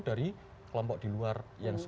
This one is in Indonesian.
dari kelompok di luar yang